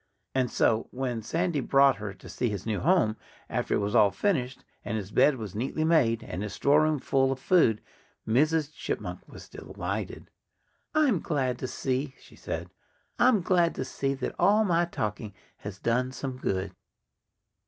And so, when Sandy brought her to see his new home, after it was all finished, and his bed was neatly made, and his storeroom full of food, Mrs. Chipmunk was delighted. "I'm glad to see " she said "I'm glad to see that all my talking has done some good."